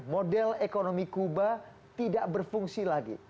model ekonomi kuba tidak berfungsi lagi